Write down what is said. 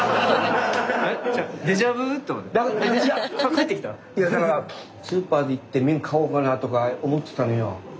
帰ってきた⁉いやだからスーパーで行って麺買おうかなとか思ってたのよ。